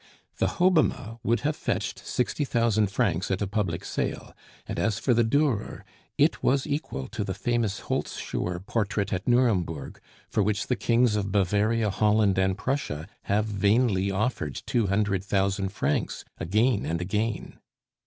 The Hobbema would have fetched sixty thousand francs at a public sale; and as for the Durer, it was equal to the famous Holzschuer portrait at Nuremberg for which the kings of Bavaria, Holland, and Prussia have vainly offered two hundred thousand francs again and again.